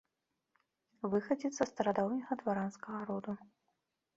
Выхадзец са старадаўняга дваранскага роду.